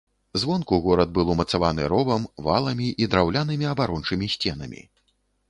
Звонку горад быў умацаваны ровам, валамі і драўлянымі абарончымі сценамі.